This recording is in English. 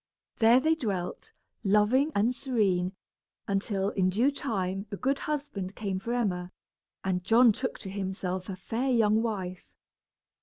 There they dwelt, loving and serene, until in due time a good husband came for Emma, and John took to himself a fair young wife.